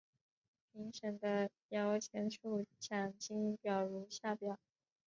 评审的摇钱树奖金表如下表。